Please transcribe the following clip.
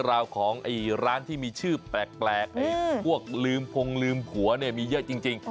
ราวของร้านที่มีชื่อแปลกพวกลืมพงลืมผัวเนี่ยมีเยอะจริง